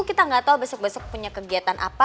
kita nggak tahu besok besok punya kegiatan apa